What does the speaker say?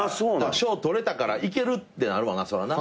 賞取れたからいけるってなるわなそれはな。